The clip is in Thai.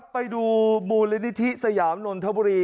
ไปดูมูลนิธิสยามนนทบุรี